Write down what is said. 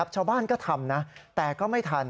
ชาวบ้านก็ทำนะแต่ก็ไม่ทัน